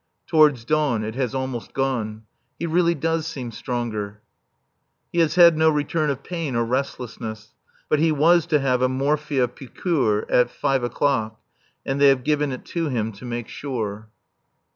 Towards dawn it has almost gone. He really does seem stronger. [5 a.m.] He has had no return of pain or restlessness. But he was to have a morphia piqûre at five o'clock, and they have given it to him to make sure.